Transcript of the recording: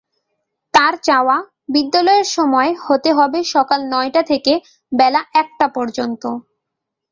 তার চাওয়া, বিদ্যালয়ের সময় হতে হবে সকাল নয়টা থেকে বেলা একটা পর্যন্ত।